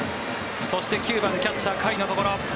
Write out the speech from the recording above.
そして、９番キャッチャー、甲斐のところ。